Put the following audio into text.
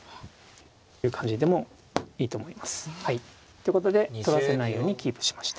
ということで取らせないようにキープしました。